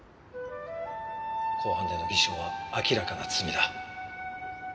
公判での偽証は明らかな罪だ。